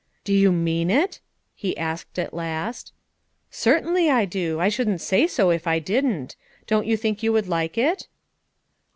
"Do you mean it?" he asked at last. "Certainly I do; I shouldn't say so if I didn't. Don't you think you would like it?"